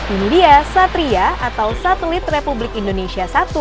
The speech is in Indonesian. ini dia satria atau satelit republik indonesia i